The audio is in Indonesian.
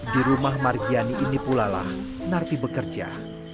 di rumah margiani ini pulalah narti bekerja